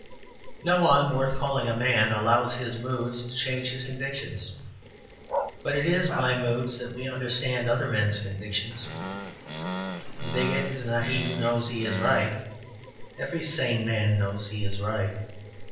No one worth calling a man allows his moods to change his convictions; but it is by moods that we understand other men's convictions. The bigot is not he who knows he is right; every sane man knows he is right.